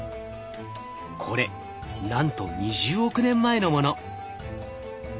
これなんと２０億年前のもの。